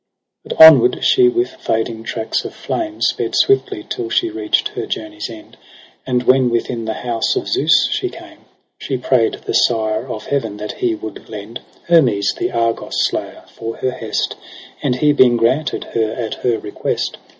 8 But onward she with fading tracks of flame Sped swiftly, till she reacht her journey's end : And when within the house of Zeus she came, She pray'd the Sire of Heaven that he would lend Hermes, the Argus slayer, for her hest j And he being granted her at her request.